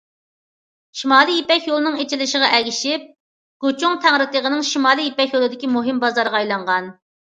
شىمالىي يىپەك يولىنىڭ ئېچىلىشىغا ئەگىشىپ، گۇچۇڭ تەڭرىتېغىنىڭ شىمالىي يىپەك يولىدىكى مۇھىم بازارغا ئايلانغان.